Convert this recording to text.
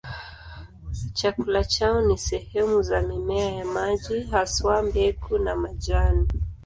Chakula chao ni sehemu za mimea ya maji, haswa mbegu na majani.